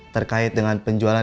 terkait dengan penjualan